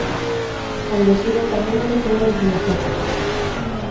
Onde si botan números é en Riazor.